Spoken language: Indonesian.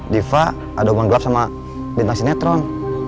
diva ada hubungan gelap sama bintang sinetron